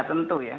ya tentu ya